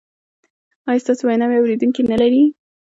ایا ستاسو ویناوې اوریدونکي نلري؟